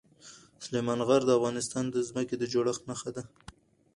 سلیمان غر د افغانستان د ځمکې د جوړښت نښه ده.